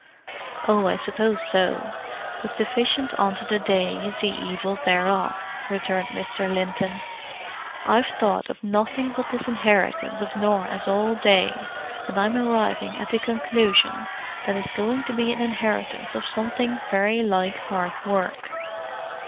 "Oh, I suppose so—but sufficient unto the day is the evil thereof," returned Mr. Linton. "I've thought of nothing but this inheritance of Norah's all day, and I'm arriving at the conclusion that it's going to be an inheritance of something very like hard work!"